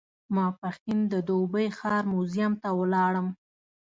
ماپښین د دوبۍ ښار موزیم ته ولاړم.